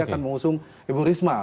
akan mengusung ibu risma